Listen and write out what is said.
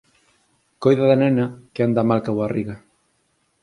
Coida da nena que anda mal coa barriga